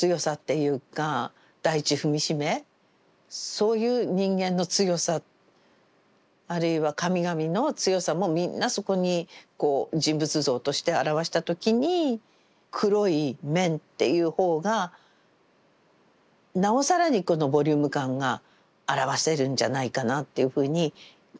そういう人間の強さあるいは神々の強さもみんなそこに人物像として表した時に黒い面っていうほうがなおさらにこのボリューム感が表せるんじゃないかなっていうふうに考え